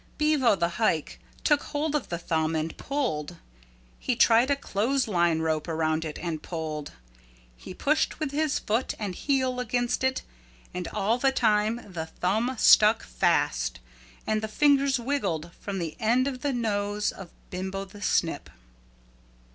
Bevo the Hike took hold of the thumb and pulled. He tied a clothes line rope around it and pulled. He pushed with his foot and heel against it. And all the time the thumb stuck fast and the fingers wiggled from the end of the nose of Bimbo the Snip.